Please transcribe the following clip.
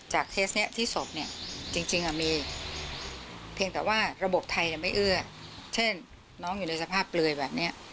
เคสนี้ที่ศพเนี่ยจริงมีเพียงแต่ว่าระบบไทยไม่เอื้อเช่นน้องอยู่ในสภาพเปลือยแบบนี้